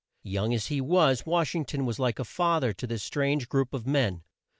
Young as he was Wash ing ton was like a fa ther to this strange group of men.